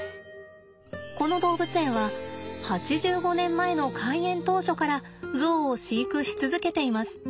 この動物園は８５年前の開園当初からゾウを飼育し続けています。